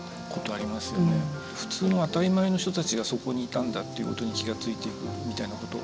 普通の当たり前の人たちがそこにいたんだっていうことに気が付いていくみたいなこと。